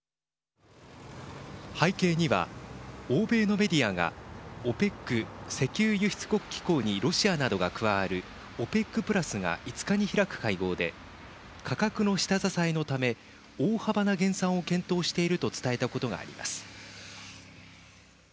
背景には、欧米のメディアがＯＰＥＣ＝石油輸出国機構にロシアなどが加わるＯＰＥＣプラスが５日に開く会合で価格の下支えのため大幅な減産を検討していると伝えたことがあります。